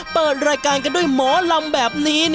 เปิดรายการกันด้วยหมอลำแบบนี้